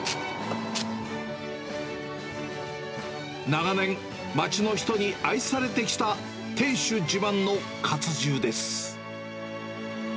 長年、街の人に愛されてきた店主自慢のカツ重です。